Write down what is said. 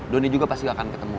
doni juga pasti akan ketemu